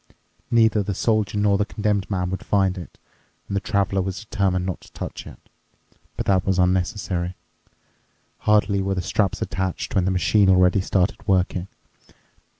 Neither the Soldier nor the Condemned Man would find it, and the Traveler was determined not to touch it. But that was unnecessary. Hardly were the straps attached when the machine already started working.